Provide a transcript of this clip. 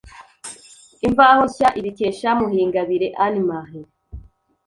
Imvaho Nshya ibikesha Muhingabire Anne Marie